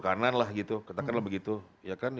kanan lah gitu katakanlah begitu ya kan